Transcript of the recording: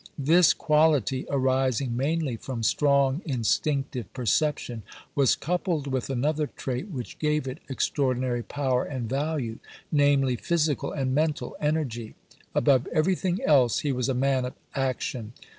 This quality, arising mainly from strong instinctive perception, was coupled with another trait which gave it extraordinary power and value, namely, physical and mental energy. Above everything else he was a man of action.